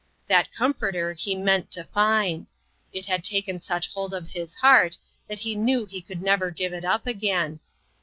That Comforter he meant to find. It had taken such hold of his heart that he knew he could never give it up again.